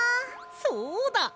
そうだ！